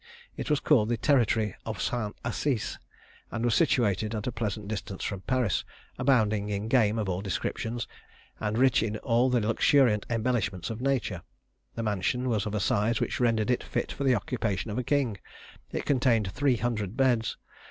It was called the territory of St. Assise, and was situated at a pleasant distance from Paris, abounding in game of all descriptions, and rich in all the luxuriant embellishments of nature. The mansion was of a size which rendered it fit for the occupation of a king; it contained three hundred beds.